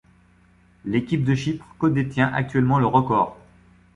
L'équipe de Chypre codétient actuellement le record.